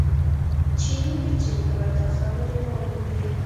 چیني به چې کله دا خبرې واورېدې.